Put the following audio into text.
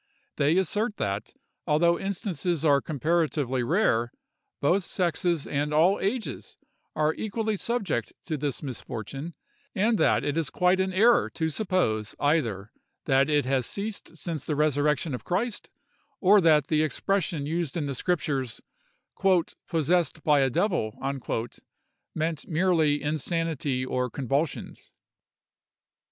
They assert that, although instances are comparatively rare, both sexes and all ages are equally subject to this misfortune; and that it is quite an error to suppose, either, that it has ceased since the resurrection of Christ, or that the expression used in the Scriptures, "possessed by a devil," meant merely insanity or convulsions.